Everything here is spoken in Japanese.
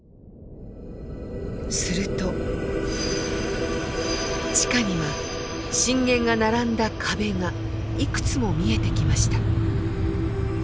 すると地下には震源が並んだ壁がいくつも見えてきました。